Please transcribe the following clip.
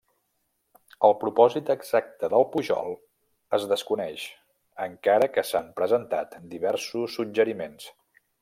El propòsit exacte del pujol es desconeix, encara que s'han presentat diversos suggeriments.